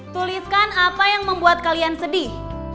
tuliskan apa yang membuat kalian sedih